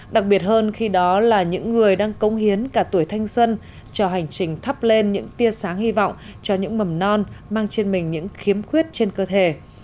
đặc biệt hơn khi đó là những người đang công hiến cả tuổi thanh xuân cho hành trình thắp lên những tia sáng hy vọng cho những mầm non mang trên mình những khiếm khuyết trên cơ thể